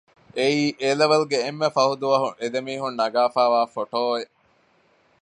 އެއީ އޭލެވެލް ގެ އެންމެ ފަހު ދުވަހު އެ ދެމީހުން ނަގާފައިވާ ފޮޓޯއެއް